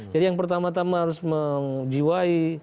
jadi yang pertama tama harus mengjiwai